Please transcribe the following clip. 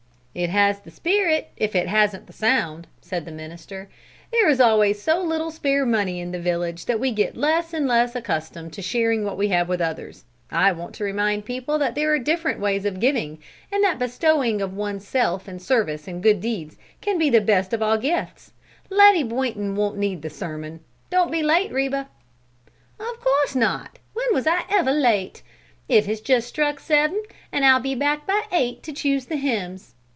"It has the spirit, if it hasn't the sound," said the minister. "There is always so little spare money in the village that we get less and less accustomed to sharing what we have with others. I want to remind the people that there are different ways of giving, and that the bestowing of one's self in service and good deeds can be the best of all gifts. Letty Boynton won't need the sermon! Don't be late, Reba." "Of course not. When was I ever late? It has just struck seven and I'll be back by eight to choose the hymns.